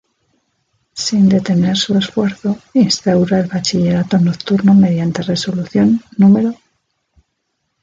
Sin detener su esfuerzo instaura el bachillerato nocturno mediante Resolución No.